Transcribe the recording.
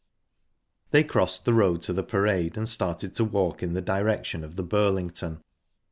They crossed the road to the Parade, and started to walk in the direction of the Burlington.